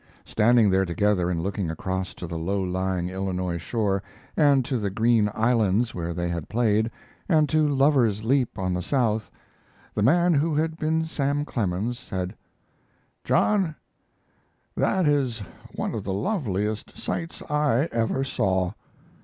Standing there together and looking across to the low lying Illinois shore, and to the green islands where they had played, and to Lover's Leap on the south, the man who had been Sam Clemens said: "John, that is one of the loveliest sights I ever saw.